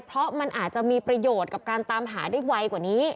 เพราะมันอาจจะมีประโยชน์กับการตามหาได้ไวกว่านี้